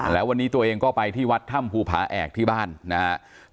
แล้ววันนี้ตัวเองก็ไปที่วัดถ้ำภูผาแอกที่บ้านนะครับ